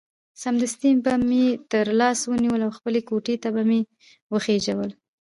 سمدستي به مې تر لاس ونیول او خپلې کوټې ته به مې وخېژول.